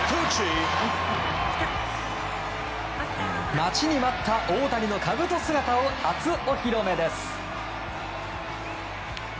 待ちに待った大谷のかぶと姿を初お披露目！